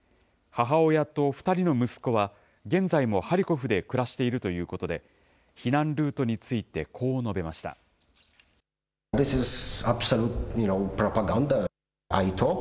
母親と２人の息子は現在もハリコフで暮らしているということで、避難ルートについてこう述べました。